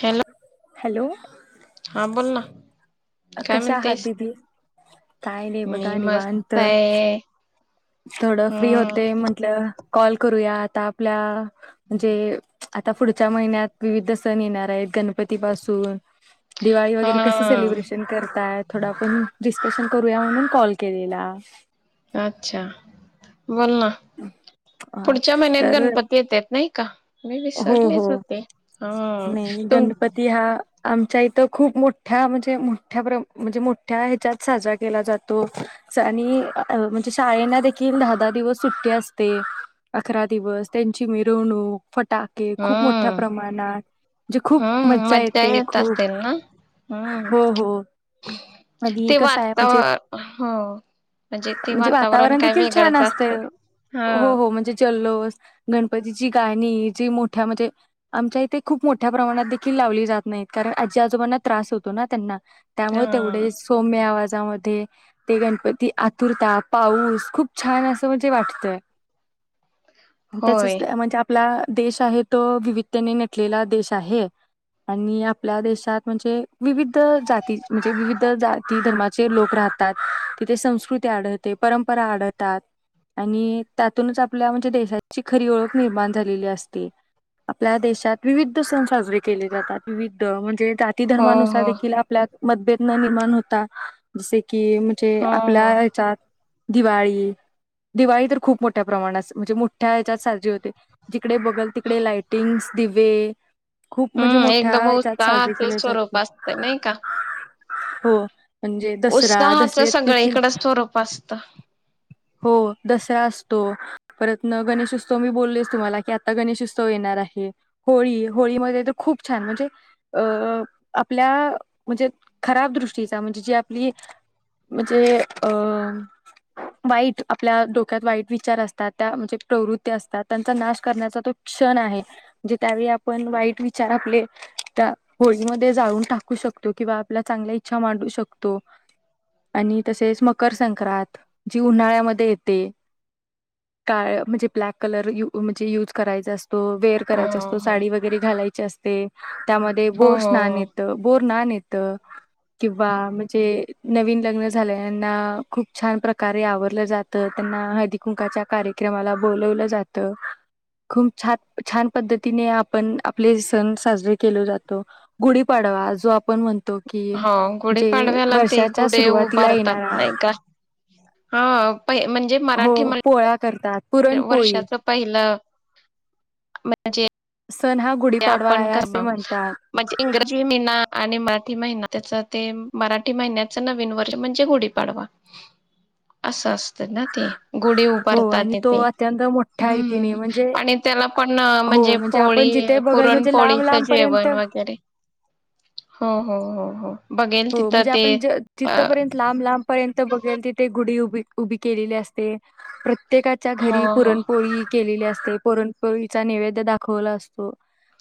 Hello hello हा बोल ना काय कशा आहात म्हणतेस दिदी? काय नाही मी बघा निवाांत मस्त आहे थोडं फ्री हम्म होते म्हंटलं कॉल करूया आता आपल्या म्हणजे आता पुढच्या महिन्यात विविध सण येणार आहेत गणप पतीपासून दिवाळी वगैरे कस हा सेलेब्रेशन करताय थोड आपण दिस केशन करूया म्हणून कॉल केलेला. अच्छा! बोल ना अ, पुढच्या महिन्यात तर गणपती येत्यात नाही का मी हो विसरलेच हो होते ह नाही तुम गणपती हा आमच्या इथं खूप मोठ्या म्हणजे मोठ्या प्र म्हणजे मोठ्या ह्याच्यात साजरा केला जातो आणि म्हणजे शाळेना देखील दहा दहा दिवस सुट्टी असते अकरा दिवस त्यांची मिरवणूक फटाके खूप मोठ्या हम्म प्रमाणात म्हणजे खूप हम्म मज्जा येते येत खूप असेल ना हम्म हो हो आधी ते कस आहे म्हणजे वातावर हो ते म्हणजे वातावरण काय देखील छान वेगळंच असते असतयं हा हो हो म्हणजे जल्लोष गणपतीची गाणी जी मोठ्या म्हणजे आमच्या इथे खूप मोठ्या प्रमाणात देखील लावली जात नाहीत कारण आजी आजोबांना त्रास होतो ना त्यांना त्यामुळे हा तेवढे सौम्य आवाज गणपती आतुरता ते पाऊस खूप छान अस म्हण वाटतय. त्याचच होय म्हणजे आप आपला देश आहे तो विविधतेने नटलेला देश आहे आणि आपल्या देशात म्हणजे विविध जाती म्हणजे विविध जाती धर्माचे लोक राहतात तिथे संस्कृती आढळते परंपरा आढळतात. आणि त्यातूनच आपल्या म्हणजे देशाची खरी ओळख निर्माण झालेली असते आपल्या देशात विविध सण साजरे केले जातात विविध म्हणजे जाती हो धर्मानुसार हो देखील आपल्या मतभेद न निर्माण होता जसे कि म्हणजे हो आपल्या हो ह्याच्यात दिवाळी दिवाळी तर खूप मोठ्या प्रमाणात म्हणजे मोठ्या ह्याच्यात साजरी होते जिकडे बघल तिकडे लाइटिंग्स दिवे खूप म्हणजे हम्म मोठ्या एकदम ह्याच्यात साजरी उत्साहाचे केले स्वरूप जाते असत नाही का? हो. म्हणजे दसरा उत्साहाचं दसऱ्यात देखील सगळीकडं स्वरूप असत. हो दसरा असतो परत गणेशोत्सव मी बोललेच तुम्हाला की आता गणेश उत्सव येणार आहे होळी होळीमध्ये तर खूप छान म्हणजे अ आपल्या म्हणजे खराब दृष्टीचा म्हणजे जी आपली म्हणजे अ वाईट आपल्या डोक्यात वाईट विचार असतात त्या म्हणजे प्रवृत्ती असतात त्यांचा नाश करण्याचा तो क्षण आहे म्हणजे त्यावेळी आपण वाईट विचार आपले त्या होळीमध्ये जाळून टाकू शकतो किंवा आपल्या चांगल्या इच्छा मांडू शकतो आणि तसेच मकर संक्रांत जी उन्हाळ्याम मध्ये येते काळ म्हणजे ब्लॅक कलर म्हणजे युज करायच अस तो वेअर हो करायचा हो असतो साडी हो वगैरे घालायची अस ते त्यामध्ये बोर हो स्नान हो हो. येतं बोरणान ये किंवा म्हणजे नवीन लग्न झाल्याना खूप छान प्रकारे आवरलं जा त्यांना हळदी कुंकाच्या कार्यक्रमाला बोलवल जात खूप छान छान पद्धतीने आपण आपले सण साजरे केल जात गुढीपाडवा जो आपण म्हण हो गुढीपाडव्याला ते गुढी सुरुवातीला उभारतात येणारा नाही का? हा. पहि म्हणजे हो मराठी पोळ्या करतात पुरणपोळी वर्षाच पहिल पहिलं म्हणजे सण हा ते गुढीपाडवा आपण आहे असे करताव म्हणतात म्हणजे इंग्रजी महिना आणि मराठी महिना त्याच ते मराठी महिन्याच नवीन वर्ष म्हणजे गुढीपाडवा असं असतं ना ते. गुढी हो उभारतात आणि तो तेथे अत्यंत मोठ्या रीतीने म्हणजे हा आणि त्याला पण हो म्हणजे आपण पोळी जिथे बघल म्हणजे लांब पुरणपोळीच लांबपर्यंत जेवण वगैरे, हो हो हो हो. बघेल हो तिथं म्हणजे ते आपण ज अ जिथंपर्यंत लांब लांबपर्यंत बघेल तिथे गुढी उ उभी केलेली असते. प्र त्येकाच्या हो घरी हो पुरणपोळी केलेली असते. पोरणपोळीचा नैवेद दाखवला असतो.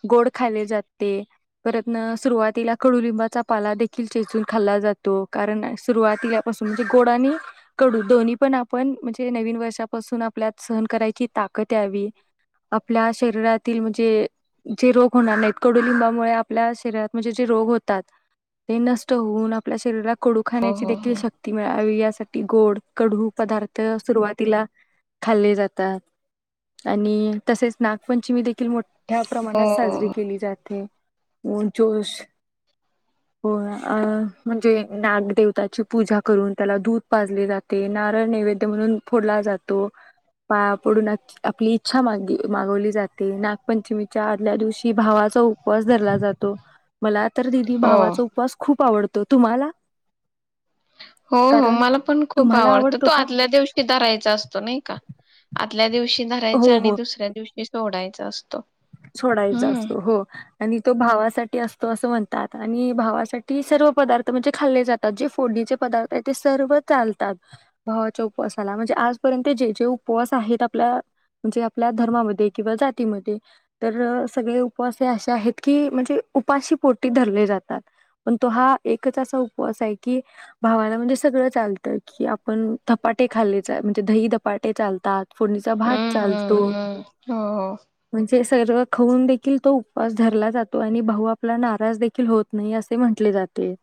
गोड खाले जाते. परत सुरुवातीला कडुलिंबाचा पाला दे खील चेचून खाल्ला जातो. कारण सुरुवातीलापासून म्हणजे गोड आणि कडू दोन्ही पण आपण म्हणजे नवीन वर्षापासून आपल्यात सहन करायची ताकद यावी, आपल्या शरीरातील म्हणजे जे रोग होणार नाहीत. कडू लिंबामुळे आपल्या शरीरात म्हणजे जे रोग होतात ते नष्ट होऊन आपल्या शरीरात कोडू हो खाण्याची हो देखील शक्ती मिळावी. या साठी गोड कडू पदार्थ सुरुवातीला खाल्ले जातात. आणि तसेच नागपंचमी देखील मो ठ्या हो प्रमाणात साजरी हो केली जाते. उनचुस हो अ म्हणजे नागदेवताची पूजा करून त्याला दूध पाजले जाते. नारळ नैवेद्य म्हणून फोडला जातो. पाया पडून आपली इच्छा मागी मागवली जा ते. नागपंचमीच्या आदल्या दिवशी भावाचा उपवास धरला जातो. मला तर दिदी भावा हो चा उपास खूप आवड तो तुम्हाला? हो हो कारण मला पण खूप तुम्हाला आवडतं. आवडतो तो का? आदल्या दिवशी रायचा असतो नाही का. ल्या दिव शी धरायच हो आणि हो दुसऱ्या दिवशी सोडाय चा असतो. सोडायचा हम्म असतो. हो आणि तो भावासाठी असतो. असं म्हण तात आणि भावासाठी सर्व पदार्थ म्हणजे खाल्ले जातात. जे फोडणीचे पदार्थ आहेत, ते सर्व चालतात. भावाच्या उपवासाला म्हणजे आजपर्यंत जे जे उपवास आहेत, आपल्या म्हणजे आपल्या धर्मामध्ये किंवा जातीमध्ये तर सगळे उपवास असे आहेत की म्हणजे उपाशी पोटी धरले जातात, पण तो हा एकच असा उपवास आहे की भावाला म्हणजे सगळं चालतं. कि आपण धपाटे खाल्लेच म्हणजे दही ध पाटे चालतात. फोडणीचा भात हम्म चालतो. हम्म हम्म हो हे सर्व खऊन देखील तो उपास धरला जातो आणि भाऊ आपला नाराज देखील होत नाही, असे म्हटले जाते.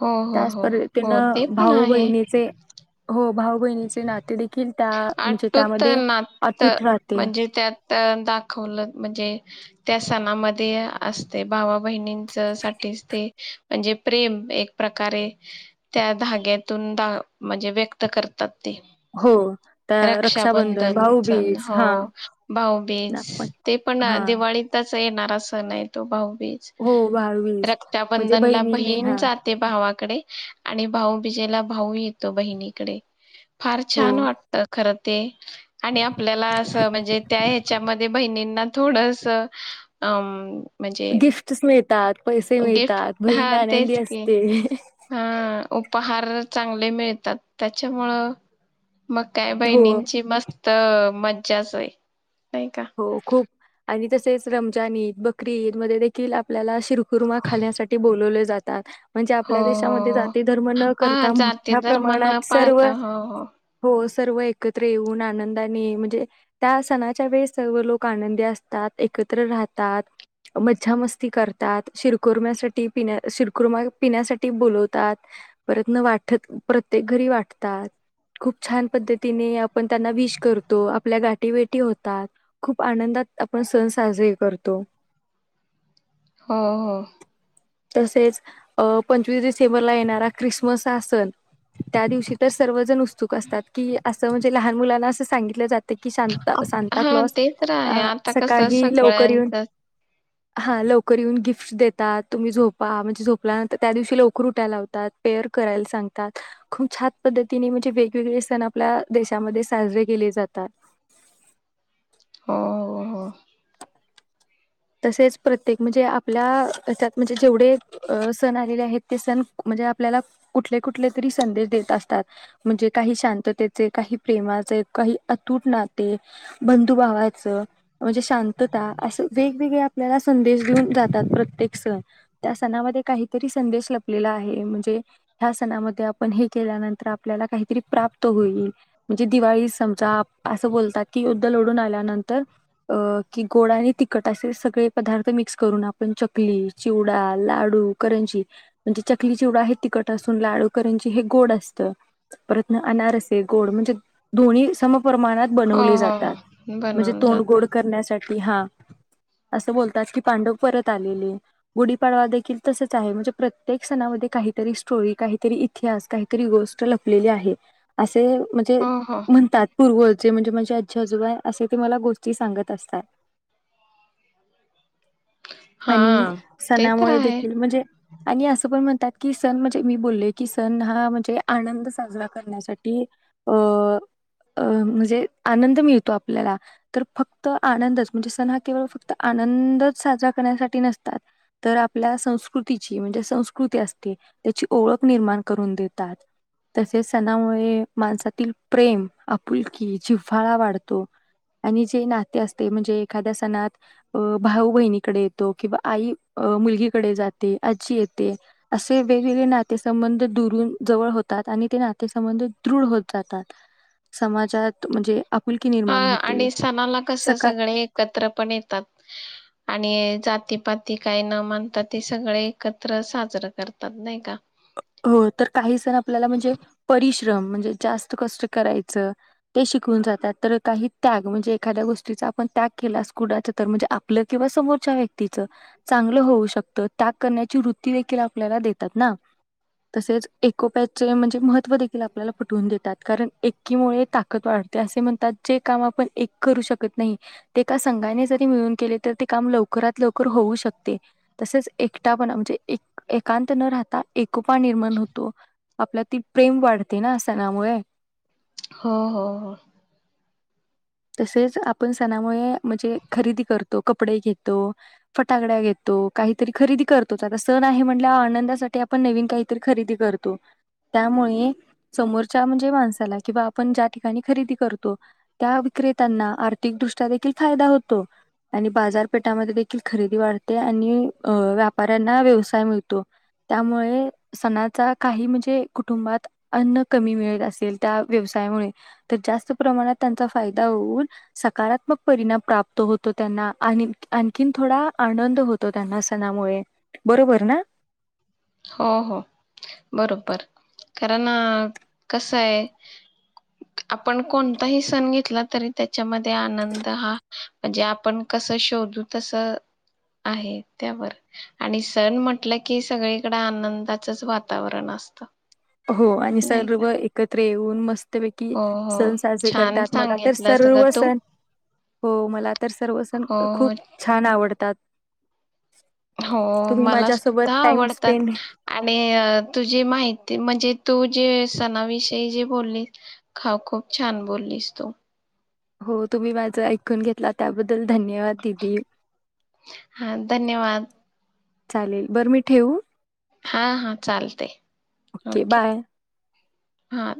हो हो त्याच हो हो पधतीनं ते पण भाऊ आहे बहिणीचे हो. भाव बहिणीचे नाते दे- खील त्या म्हणजे आटूत त्यामध्ये नात अतुट राह म्हणजे त्यात. दाखवलं म्हणजे त्या सणामध्ये असते, भावा बहिणींच साठीच ते म्हणजे प्रेम एक प्रकारे त्या धाग्यातून दा म्हणजे व्यक्त करतात ते. हो. त्या रक्षाबंधन सण भाऊबीज हो हा भाऊबीज नागपंच ते पण हा दिवाळीतच येणारा सण आहे तो भाऊ पिज हो भाऊबीज म्हणजे रक्ताबंधन ला बहिणीने बहीण हा जाते भावा कडे आणि भाऊ बीजेला भाऊ येतो बहिणीकडे फार हो छान वाट. खरं ते आणि आपल्याला अस म्हणजे त्या ह्याच्यामध्ये बहिणींना थोडस अ म गिफ्टस मिळतात पैसे गिफ्ट मिळतात बहीण हा आनंदी तेच की असते. हा उपहार चांगले मिळतात त्याच्यामुळ मग काय हो बहिणींची मस्त त मज्जाच होय. हो खूप आणि तसेच रमजान ईद बकरी ईद मध्ये देखील आप आपल्याला शिरखुरमा खाण्यासाठी बोलवले जात. [unintelligible] म्हणजे हो आपल्या हो देशामध्ये हो जाती धर्म न हा करता जाती मोठ्या धर्म न प्रमाणात सर्व पाळता हो हो अस. सर्व एकत्र येऊन आनंदाने म्हणजे त्या सणाच्या वेळेस सर्व लोक आनंदी असतात एकत्र राहतात मज्जा मस्ती करतात शिरकुर्म्यासाठी पिण्या शिरकुर्मा पिण्यासाठी बोलवतात परतन वाटत प्रत्येक घरी वाटतात खूप छान पद्धतीने आपण त्यांना विश करतो आपल्या गाठी भेटी होतात. खूप आनंदात आपण सण साजरे करतो. हो हो. तसेच अ पंचवीस डिसेंबरला येणारा ख्रिसमस हा सन त्या दिवशी तर सर्वजण ऊस चूक असतात की अस. त म्हणजे लहान मुलांना अस सगितलं जात. ते की शांता असानी हा ते तर आहे आता कसं लवकर येऊन सगळ्यांचच हा लवकर येऊन गिफ्ट देतात तुम्ही झोपा म्हणजे झोपल्यानंतर त्या दिवशी लवकर उठायला लावतात पेयर करायला सांगतात खूप छान पद्धतीने म्हणजे वेगवेगळे सण आपल्या देशामध्ये साजरे केले जातात हो हो हो. तसेच प्रत्येक म्हणजे आपल्या येचात म्हणजे जेवढे सण आलेले आहेत ते सण म्हणजे आपल्याला कुठले कुठले तरी संदेश देत असतात म्हणजे काही शांततेचे काही प्रेमाचे काही अतुट नाते बंधुभावाच म्हणजे शांतता असं. वेगवेगळे आपल्याला संदेश देऊन जातात प्रत्येक सण त्या सणामध्ये काहीतरी संदेश लपलेला आहे म्हणजे ह्या सणामध्ये आपण हे केल्यानंतर आपल्याला काहीतरी प्राप्त होईल म्हणजे दिवाळी समजा असं बोलतात की युद्ध लोढून आल्यानंतर अ की गोडाने तिकट असे सगळे पदार्थ मिक्स करून आपण चकली चिवडा लाडू करंजी म्हणजे चकली चिवडा हे तखट असून लाडू करंजी हे गोड असत परत अनारसे गोड म्हणजे दोन्ही सम प्रणात हो बनव हो जातात हो म्हणजे बनवून तोंड जात गोड करण्यासाठी ति हा. अस बोलतात की पांडव परत आलेले, गुढीपाडवा देखील तसच आहे म्हणजे प्रत्येक सणामध्ये काहीतरी स्टोरी, काहीतरी इतिहास, काहीतरी गोष्ट लपलेली आहे असं - ते म्हणजे हो हो म्हणतात पूर्वज- ते म्हणजे माझे आजी आजोबा असे ते मला गोष्टी सांगत असतात. हा आणि ते तर सणामुळे आहे देखील म्हणजे- आणि असं पण म्हणतात की, सण म्हणजे मी बोलले, की सण हा म्हणजे आनंद साजरा करण्यासाठी, अ म्हणजे आनंद मिळतो आपल्याला, तर फक्त आनंदच म्हणजे सण हा- केवळ फक्त आनंदच साजरा करण्यासाठी नसतात, तर आपल्या संस्कृतीची म्हणजे संस्कृती असते त्याची ओळख निर्माण करून देतात. तसेच सणामुळे माणसातील प्रेम आपुल- कि जिव्हाळा वाढतो आणि जे नाते असते म्हणजे- ना भाऊ बहिणीकडे येतो, किंवा आई मुलगीकडे जाते, आजी येते, असे वेगवेगळे नातेसंबंध दुरून जवळ होतात आणि ते नातेसंबंध दृढ होत जातात समाजात म्हणजे आपुलकी हा निर्माण होते. आणि सणाला कसं सकारात्मक सगळे एकत्र पण येत- आणि जातीपाती काही न मानता ते सगळे एकत्र साजरं करतात नाही का? हो तर काही सण- आपल्याला म्हणजे -परी - श्रम म्हणजे, जास्त कष्ट करायचं ते शिकवून जातात, तर काही त्याग म्हणजे एखाद्या गोष्टीचा आपण त्याग केला कुणाच्या तर म्हणजे आपलं किंवा समोरच्या व्यक्तीच चांगलं होऊ शकतं, त्याग करण्याची वृत्ती देखील आपल्याला देतात ना? तसेच एकोप्याचे म्हणजे मह- त देखील आपल्याला पटवून देतात कारण एकीमुळे ताकद वाढ- ते असे म्हणतात जे काम आपण एक करू शकत नाही, ते एका संघाने जरी मिळून केले तर ते काम लवकरात- लवकर होऊ शकते तसेच एकटापणा म्हणजे एक एकांत न राहता- निर्माण होतो. आपल्यातील प्रेम वाढते ना? सणामुळे. हो हो हो. तसेच आपण सणामुळे म्हणजे खरेदी करतो, कपडे घेतो, फटाकड्या घेतो, काहीतरी खरेदी करतोच आता सण आहे म्हणल्यावर आनंदासाठी आपण नवीन काहीतरी खरेदी करतो, त्यामुळे समोरच्या म्हणजे माणसाला किंवा आपण ज्या ठिकाणी खरेदी करतो, त्या- विक्रेत्यांना आर्थिकदृष्ट्या देखील फायदा होतो, आणि बाजारपेठामध्ये देखील खरेदी वाढते, आणि व्यापाऱ्यांना व्यवसाय मिळतो, त्यामुळे सणाचा काही म्हणजे कुटुंबात अन्न कमी मिळत असेल त्या व्यवसायामुळे तर जास्त प्रमाणात- फायदा होऊन सकारात्मक परिणाम प्राप्त होतो त्यांना. आणखीन थोडा आनंद होतो त्यांना सणामुळे बरोबर ना? खर ना कस आहे? आपण कोणताही सण घेतला तरी त्याच्यामध्ये आनंद हा -म्हणजे, आपण कस शोधू तस आहे, त्यावर- आणि सण म्हटलं की सगळीकडे आनंदाचच वातावरण असतं. हो आणि नाही का सर्व एकत्र येऊन- मस्त- पैकी हो हो सण साजरे छान करतात, मला तर सांगितलं सगळं सर्व तू सण, हो- मला तर सर्व सण हो खूप छान आवडतात. हो तुम्ही -मला माझ्यासोबत सुद्धा टाइम आवडतात, स्पेंड आणि -तुझी माहिती म्हणजे- तू जे सणाविषयी जे बोललीस खा खूप छान बोललीस तू. हो तुम्ही माझं ऐकून घेतल त्याबद्दल- धन्यवाद दिदी. हा धन्यवाद चालेल बरं मी ठेवू? हा हा चालतय. Okay bye. हा.